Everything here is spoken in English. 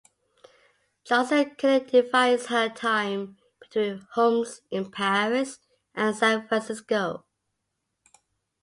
Johnson currently divides her time between homes in Paris and San Francisco.